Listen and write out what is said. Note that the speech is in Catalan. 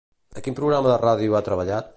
A quin programa de ràdio ha treballat?